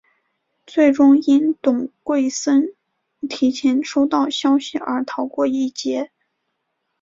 最终因董桂森提前收到消息而逃过一劫。